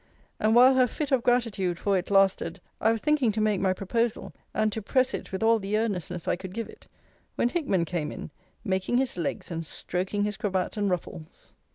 And while her fit of gratitude for it lasted, I was thinking to make my proposal, and to press it with all the earnestness I could give it, when Hickman came in, making his legs, and stroking his cravat and ruffles.